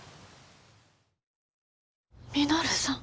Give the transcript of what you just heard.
稔さん。